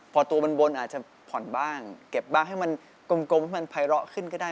พอตัวมันบนอาจจะผ่อนบ้างเก็บบ้างให้มันกลมให้มันภัยเลาะขึ้นก็ได้